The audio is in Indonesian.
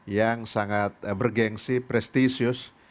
yang sangat bergensi prestisius